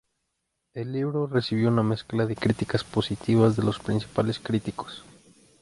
El libro recibió una mezcla de críticas positivas de los principales críticos.